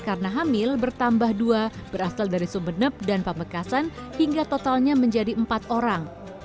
karena hamil bertambah dua berasal dari sumbenep dan pamekasan hingga totalnya menjadi empat orang